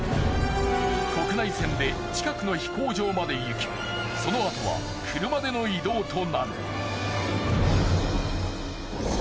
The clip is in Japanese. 国内線で近くの飛行場まで行きそのあとは車での移動となる。